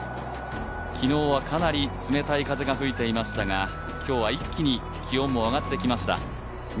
昨日はかなり冷たい風が吹いていましたが、今日は一気に気温も上がってきました。